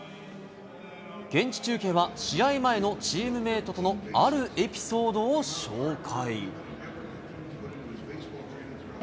現地中継は、試合前のチームメートとのあるエピソードを紹介。